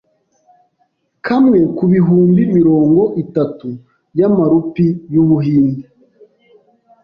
kamwe ku bihumbi mirongo itatu y'amarupi y'Ubuhinde